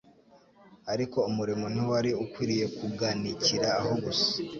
Ariko umurimo ntiwari ukwiriye kuganikira aho gusa,